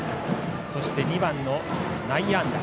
そして２番の内野安打。